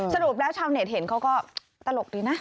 สรุปแล้วชาวเน็ตเห็นเขาก็ตลกดีนะ